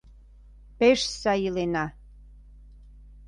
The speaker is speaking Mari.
Пеш сай илена!